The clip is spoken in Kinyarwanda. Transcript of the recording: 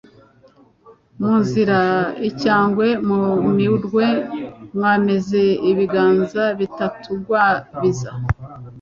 Muzira icyangwe mu minwe. Mwameze ibiganza bitatugwabiza